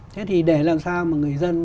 thế thì để làm sao mà người dân